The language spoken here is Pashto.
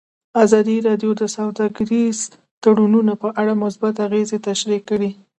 ازادي راډیو د سوداګریز تړونونه په اړه مثبت اغېزې تشریح کړي.